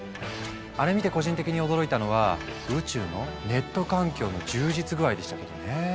あれ見て個人的に驚いたのは宇宙のネット環境の充実具合でしたけどね。